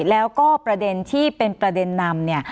แล้วก็ประเด็นที่เป็นประเด็นนำเนี่ย